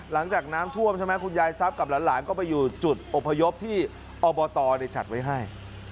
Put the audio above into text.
หลังจากน้ำท่วมใช่ไหมคุณยายทรัพย์กับหลานก็ไปอยู่จุดอพยพที่อบตจัดไว้ให้